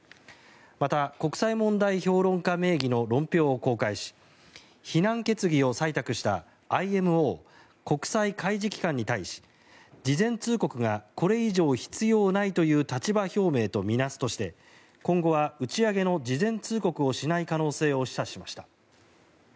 また、国際問題評論家名義の論評を公開し非難決議を採択したＩＭＯ・国際海事機関に対し事前通告がこれ以上必要ないという立場表明と見なすとして今後は打ち上げの事前通告をしない可能性を示唆しました。